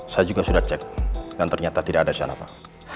saya juga sudah cek dan ternyata tidak ada di sana pak